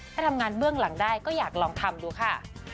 ถ้าทำงานเบื้องหลังได้ก็อยากลองทำดูค่ะ